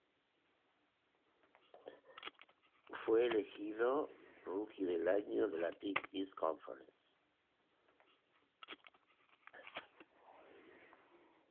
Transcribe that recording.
Fue elegido Rookie del Año de la Big East Conference.